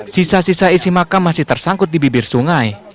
sisa sisa isi makam masih tersangkut di bibir sungai